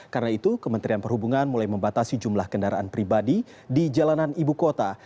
karena itu kementerian perhubungan mulai membatasi jumlah kendaraan pribadi di jalanan ibu kota